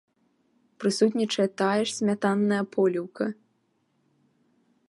Прысутнічае тая ж смятанная поліўка!